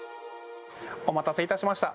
お待たせいたしました。